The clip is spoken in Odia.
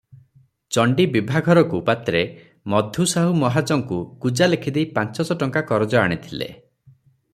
ଚଣ୍ଡୀ ବିଭାଘରକୁ ପାତ୍ରେ ମଧୁସାହୁ ମହାଜଙ୍କୁ ଗୁଜା ଲେଖିଦେଇ ପାଞ୍ଚଶ ଟଙ୍କା କରଜ ଆଣିଥିଲେ ।